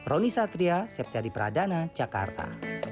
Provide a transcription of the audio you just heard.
roni satria septiadi pradana jakarta